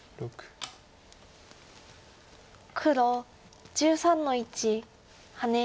黒１３の一ハネ。